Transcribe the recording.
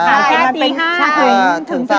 ขอบคุณครับ